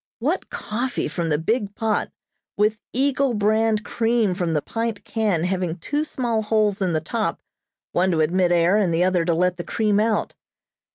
What coffee from the big pot, with Eagle brand cream from the pint can having two small holes in the top, one to admit air and the other to let the cream out.